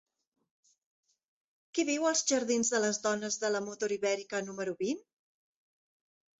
Qui viu als jardins de les Dones de la Motor Ibèrica número vint?